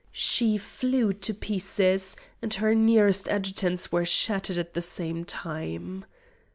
She flew to pieces, and her nearest adjutants were shattered at the same time.